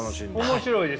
面白いですよね。